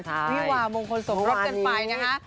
วิวามงคลสมรสกันไปนะคะ